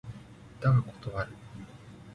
だが断る。